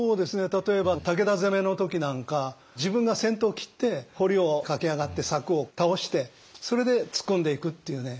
例えば武田攻めの時なんか自分が先頭を切って堀を駆け上がって柵を倒してそれで突っ込んでいくっていうね。